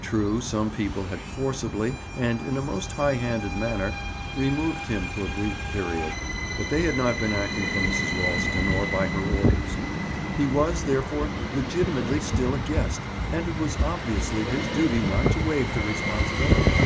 True, some people had forcibly, and in a most highhanded manner, removed him for a brief period, but they had not been acting for Mrs. Ralston, or by her orders. He was, therefore, legitimately still a guest and it was obviously his duty not to waive the responsibility.